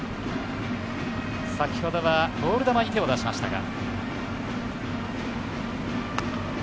先ほどはボール球に手を出しましたが。